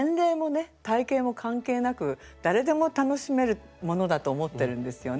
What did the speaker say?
体型も関係なく誰でも楽しめるものだと思ってるんですよね。